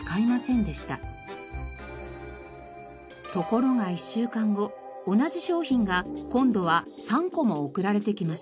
ところが１週間後同じ商品が今度は３個も送られてきました。